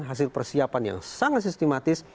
hasil persiapan yang sangat sistematis